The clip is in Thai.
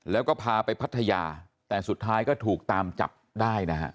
แล้วก็พาไปพัทยาแต่สุดท้ายก็ถูกตามจับได้นะฮะ